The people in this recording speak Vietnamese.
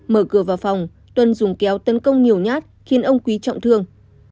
mở cửa vào phòng tuân dùng kéo tấn công nhiều nhát khiến ông quý trọng thương